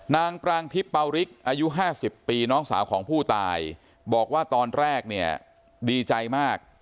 นางปรางทิพย์ปาริกอายุ๕๐ปีน้องสาวของผู้ตายบอกว่าตอนแรกเนี่ยดีใจมาก